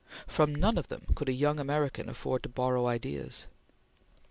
From none of them could a young American afford to borrow ideas.